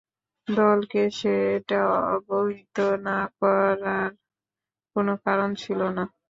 দলকে সেটা অবহিত না করার কোনো কারণ ছিল?